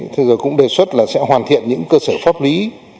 thế rồi cũng đề xuất là sẽ hoàn thiện những cơ sở pháp lý